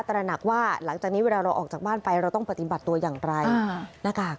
ระหนักว่าหลังจากนี้เวลาเราออกจากบ้านไปเราต้องปฏิบัติตัวอย่างไรหน้ากาก